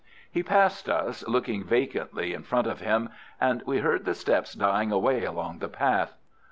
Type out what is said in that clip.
He passed us, looking vacantly in front of him, and we heard the steps dying away along the path.